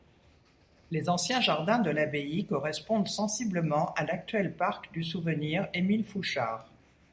Les anciens jardins de l'abbaye correspondent sensiblement à l'actuel parc du souvenir Émile Fouchard.